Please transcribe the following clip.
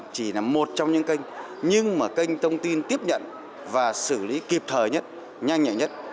chỉ là một trong những kênh nhưng mà kênh thông tin tiếp nhận và xử lý kịp thời nhất nhanh nhạy nhất